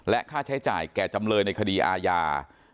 ค่าใช้จ่ายแก่จำเลยในคดีอาญา